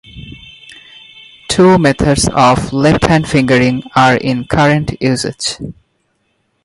Two methods of left hand fingering are in current usage.